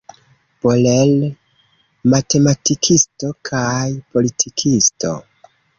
Borel, matematikisto kaj politikisto.